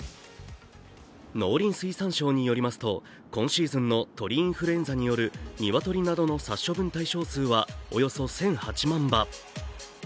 農林水産省によりますと、今シーズンの鳥インフルエンザによる鶏などの殺処分対象数はおよそ１００８万羽。